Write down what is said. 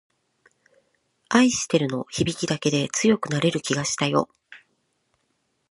愛してるの響きだけで強くなれる気がしたよ